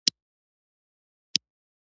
زه اوس بېدېږم.